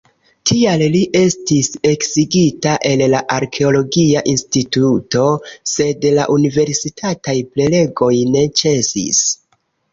Tial li estis eksigita el la arkeologia instituto, sed la universitataj prelegoj ne ĉesis.